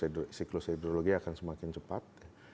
akselerasi siklus hidrologi akan semakin cepat